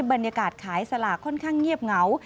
บรรยากาศขายสลากค่อนข้างเงียบเหงา